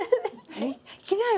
弾きなよ。